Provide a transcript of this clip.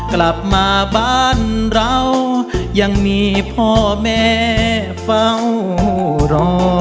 กลับมาบ้านเรายังมีพ่อแม่เฝ้ารอ